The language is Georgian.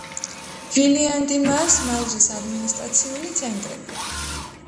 ვილიანდიმაას მაზრის ადმინისტრაციული ცენტრი.